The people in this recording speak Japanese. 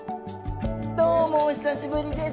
どうもお久しぶりです。